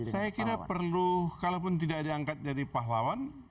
saya kira perlu kalaupun tidak diangkat jadi pahlawan